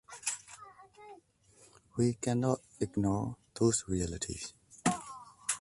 We cannot ignore those realities.